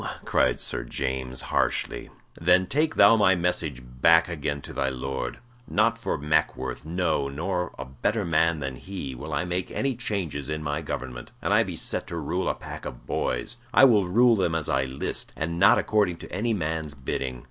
cried Sir James, harshly. "Then take thou my message back again to thy Lord. Not for Mackworth no, nor a better man than he will I make any changes in my government. An I be set to rule a pack of boys, I will rule them as I list, and not according to any man's bidding.